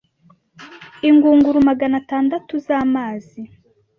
ingunguru Magana atandatu z’amazi